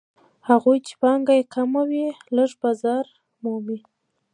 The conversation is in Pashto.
هغوی چې پانګه یې کمه وي لږ بازار مومي